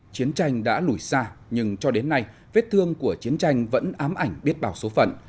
chiến tranh đã lùi xa nhưng cho đến nay vết thương của chiến tranh vẫn ám ảnh biết bào số phận